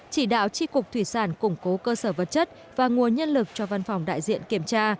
chỉ đạo tri cục thủy sản củng cố cơ sở vật chất và nguồn nhân lực cho văn phòng đại diện kiểm tra